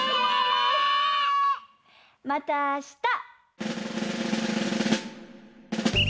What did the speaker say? またあした。